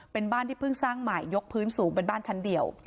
เป็นบ้านที่เพิ่งสร้างใหม่ยกพื้นสูงเป็นบ้านชั้นเดียว